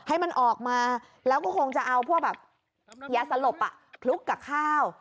ให้มันออกมาแล้วก็คงจะเอาพวกแบบยาสลบคลุกกับข้าว